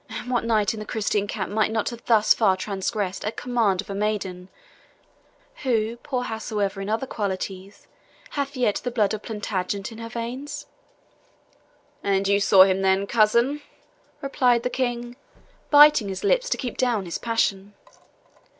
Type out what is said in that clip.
And what knight in the Christian camp might not have thus far transgressed at command of a maiden, who, poor howsoever in other qualities, hath yet the blood of Plantagenet in her veins?" "And you saw him, then, cousin?" replied the King, biting his lips to keep down his passion.